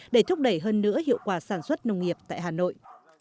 để thúc đẩy hơn nữa hiệu quả sản xuất nông nghiệp tại hà nội